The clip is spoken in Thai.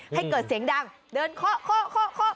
ให้เกิดเสียงดังเดินเคาะเคาะเคาะเคาะ